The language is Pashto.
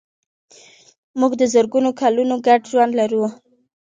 موږ د زرګونو کلونو ګډ ژوند لرو.